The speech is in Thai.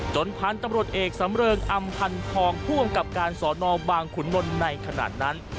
จนผ่านตำรวจเอกสำเริงอำพันธ์ทองพ่วงกับการสอนอบางขุนนลในขณะนั้น